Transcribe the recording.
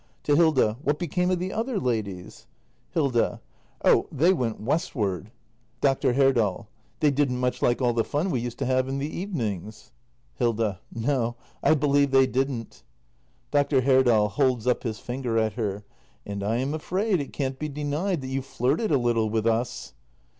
[To Hilda.] What became of the other ladies ? Hilda. Oh, they went westward. 286 THE MASTER BUILDER [act i Dr. Herdal. They didn't much like all the fun we used to have in the evenings. Hilda. No, I believe they didn't. Dr. Herdal. [Holds up his finger at her.] And I am afraid it can't be denied that you flirted a little with us.